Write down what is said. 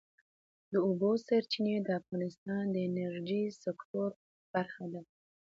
د اوبو سرچینې د افغانستان د انرژۍ سکتور برخه ده.